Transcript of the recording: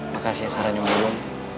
makasih ya saran yang luar biasa